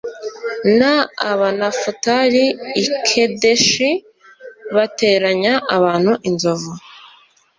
n Abanafutali i Kedeshi bateranya abantu inzovu